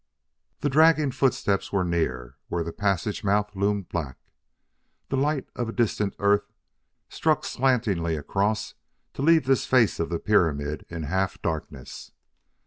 The dragging footsteps were near, where the passage mouth loomed black. The light of a distant Earth, struck slantingly across to leave this face of the pyramid in half darkness.